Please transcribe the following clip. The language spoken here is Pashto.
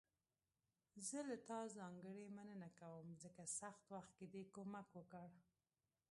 زه له تا ځانګړي مننه کوم، ځکه سخت وخت کې دې کومک وکړ.